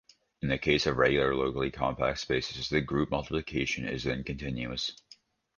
In the case of regular, locally compact spaces the group multiplication is then continuous.